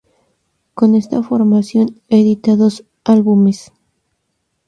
Con esta formación edita dos álbumes.